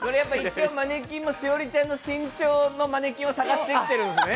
マネキンも、栞里ちゃんの身長のマネキンを探してきてるのね。